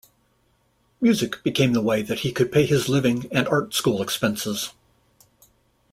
Music became the way that he could pay his living and art school expenses.